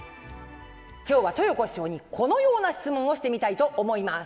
今日は豊子師匠にこのような質問をしてみたいと思います。